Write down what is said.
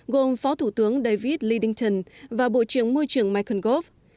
gồm phó thủ tướng david leington và bộ trưởng môi trường michael gove